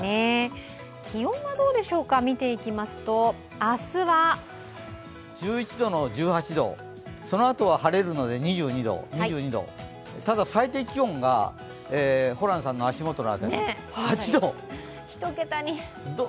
気温はどうでしょうか、見ていきますと、１１度の１８度、そのあとは晴れるので２２度、２２度ただ、最低気温がホランさんの足元の辺り、８度。